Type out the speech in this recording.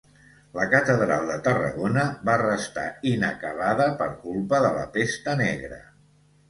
La catedral de Tarragona va restar inacabada per culpa de la Pesta Negra.